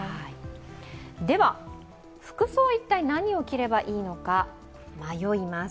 では、服装は一体何を着ればいいのか迷います。